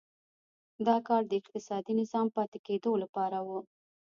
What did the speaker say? دا کار د اقتصادي نظام پاتې کېدو لپاره و.